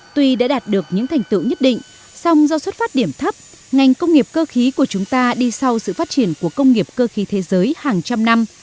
tuy đã đạt được những thành tựu nhất định song do xuất phát điểm thấp ngành công nghiệp cơ khí của chúng ta đi sau sự phát triển của công nghiệp cơ khí thế giới hàng trăm năm